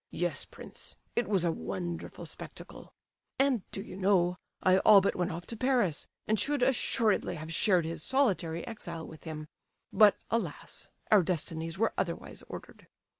"Yes, prince, it was a wonderful spectacle. And, do you know, I all but went off to Paris, and should assuredly have shared his solitary exile with him; but, alas, our destinies were otherwise ordered!